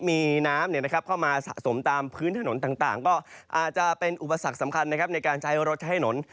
มีน้ำเข้ามาสะสมตามพื้นถนนต่างก็อาจจะเป็นอุปสรรคสำคัญนะครับในการใช้รถใช้ถนน